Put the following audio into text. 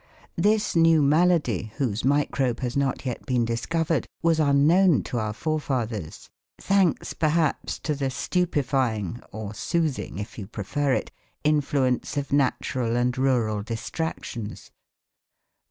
This new malady, whose microbe has not yet been discovered, was unknown to our forefathers, thanks perhaps to the stupefying (or soothing, if you prefer it) influence of natural and rural distractions.